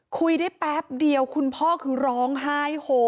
คุยได้แป๊บเดียวคุณพ่อคือร้องไห้โฮ